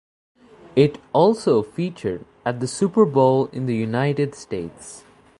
It also featured at the Super Bowl in the United States.